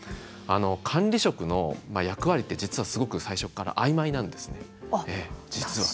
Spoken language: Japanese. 管理職の役割って実はすごく最初から、あいまいなんですね。